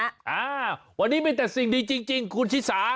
อ่าวันนี้มีแต่สิ่งดีจริงคุณชิสา